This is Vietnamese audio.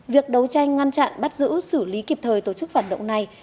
việc đấu tranh ngăn chặn bắt giữ xử lý kịp thời tổ chức phản động này